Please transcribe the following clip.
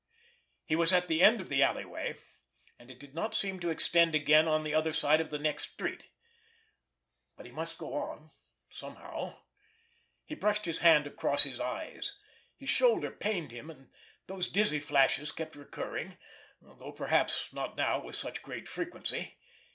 He was at the end of the alleyway, and it did not seem to extend again on the other side of the next street. But he must go on—somehow. He brushed his hand across his eyes. His shoulder pained him, and those dizzy flashes kept recurring, though perhaps not now with such great frequency.